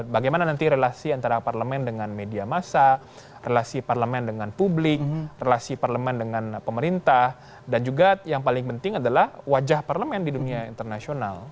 bagaimana nanti relasi antara parlemen dengan media massa relasi parlemen dengan publik relasi parlemen dengan pemerintah dan juga yang paling penting adalah wajah parlemen di dunia internasional